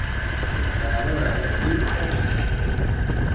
A la vora de qui camina?